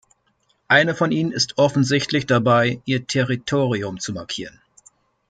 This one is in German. Eine von ihnen ist offensichtlich dabei, ihr Territorium zu markieren.